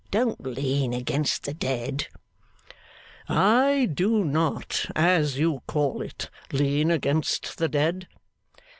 Don't lean against the dead.' 'I do not as you call it lean against the dead.